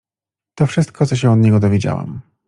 "To wszystko, co się od niego dowiedziałam."